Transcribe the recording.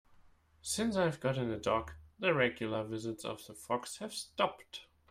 Since I've gotten a dog, the regular visits of the fox have stopped.